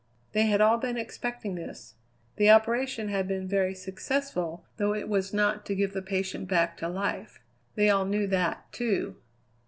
They had all been expecting this. The operation had been very successful, though it was not to give the patient back to life. They all knew that, too.